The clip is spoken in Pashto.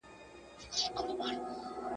زه اوس مېوې راټولوم!!